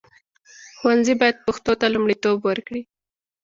ښوونځي باید پښتو ته لومړیتوب ورکړي.